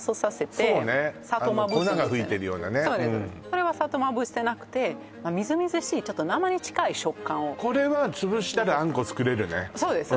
これは砂糖まぶしてなくてみずみずしいちょっと生に近い食感をこれは潰したらあんこ作れるねそうです